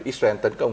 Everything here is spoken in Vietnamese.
israel tấn công